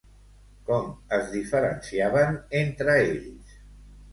Com es diferenciaven entre ells?